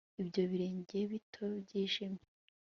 ibyo birenge bito byijimye